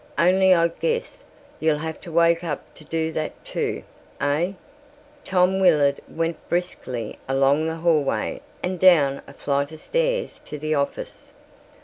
Only I guess you'll have to wake up to do that too, eh?" Tom Willard went briskly along the hallway and down a flight of stairs to the office.